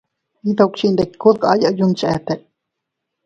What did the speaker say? Iydukchindiku dkayaa yuncheete.